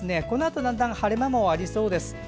このあと、だんだん晴れ間もありそうです。